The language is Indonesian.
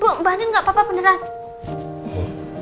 bu mbak rendy gak apa apa beneran